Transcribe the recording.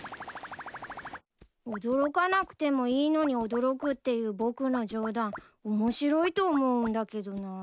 驚かなくてもいいのに驚くっていう僕のジョーダン面白いと思うんだけどなぁ。